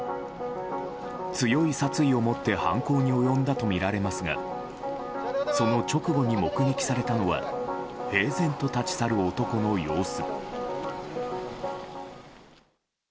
強い殺意を持って犯行に及んだとみられますがその直後に目撃されたのは平然と立ち去る男の様子。